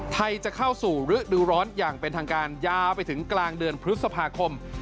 จะเข้าสู่ฤดูร้อนอย่างเป็นทางการยาวไปถึงกลางเดือนพฤษภาคม